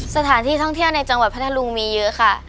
สถานที่ท่องเที่ยวในจังหวัดพัทธรุงมีเยอะค่ะ